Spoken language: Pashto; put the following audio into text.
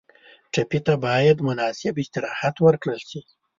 ټپي ته باید مناسب استراحت ورکړل شي.